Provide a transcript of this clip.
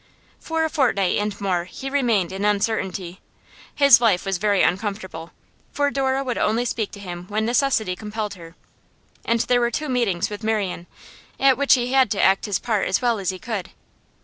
For a fortnight and more he remained in uncertainty. His life was very uncomfortable, for Dora would only speak to him when necessity compelled her; and there were two meetings with Marian, at which he had to act his part as well as he could.